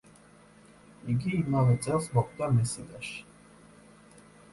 იგი იმავე წელს მოკვდა მესინაში.